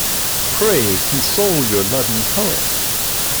Pray, console your loving poet